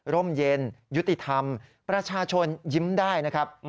เย็นยุติธรรมประชาชนยิ้มได้นะครับ